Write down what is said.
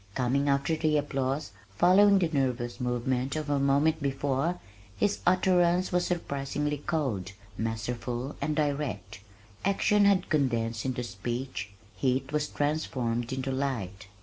Coming after the applause, following the nervous movement of a moment before, his utterance was surprisingly cold, masterful, and direct. Action had condensed into speech. Heat was transformed into light.